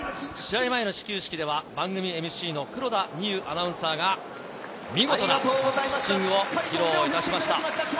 試合前の始球式では、番組ＭＣの黒田みゆアナウンサーが、ご覧の始球式を披露しました。